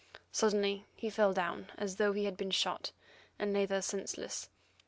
Suddenly he fell down as though he had been shot, and lay there senseless.